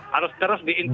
harus terus diintensifkan